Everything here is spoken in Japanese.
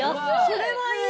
それはいい！